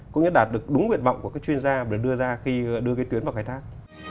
cũng như đạt được đúng nguyện vọng của các chuyên gia để đưa ra khi đưa cái tuyến vào khai thác